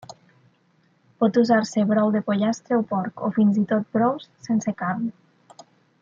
Pot usar-se brou de pollastre o porc, o fins i tot brous sense carn.